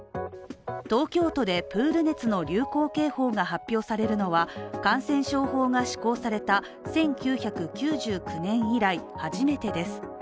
東京都でプール熱の流行警報が発表されるのは感染症法が施行された１９９９年以来初めてです。